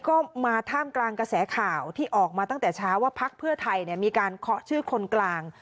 ก็มาท่ามกลางกระแสข่าวที่ออกมาตั้งแต่เช้าว่าพักเพื่อไทยมีการเคาะชื่อคนกลาง